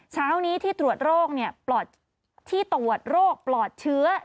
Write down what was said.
เช้านี้ที่ตรวจโรคปลอดเชื้อ